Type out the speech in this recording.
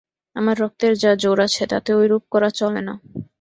আমার রক্তের যা জোর আছে, তাতে ঐরূপ করা চলে না।